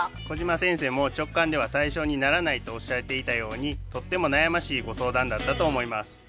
小島先生も直感では対象にならないとおっしゃっていたようにとっても悩ましいご相談だったと思います。